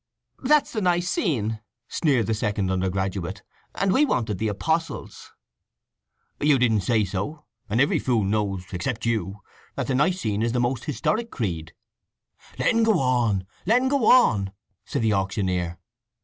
_" "That's the Nicene," sneered the second undergraduate. "And we wanted the Apostles'!" "You didn't say so! And every fool knows, except you, that the Nicene is the most historic creed!" "Let un go on, let un go on!" said the auctioneer.